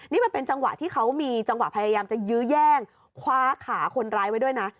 นี่มันเป็นจังหวะที่เขามีจังหวะพยายามจะยื้อแย่งคว้าขาคนร้ายไว้ด้วยนะ